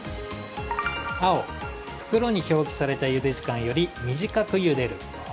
青・袋に表記されたゆで時間より短くゆでる。